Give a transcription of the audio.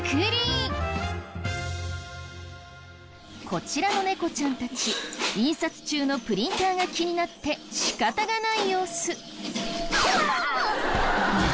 こちらの猫ちゃんたち印刷中のプリンターが気になって仕方がない様子。